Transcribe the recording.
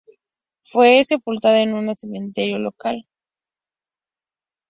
Fue sepultado en un cementerio local.